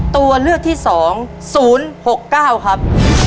ตัวเลือกที่๒๐๖๙ครับ